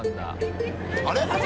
あれ？